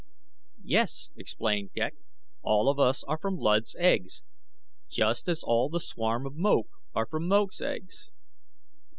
"Yes," explained Ghek, "all of us are from Luud's eggs, just as all the swarm of Moak are from Moak's eggs."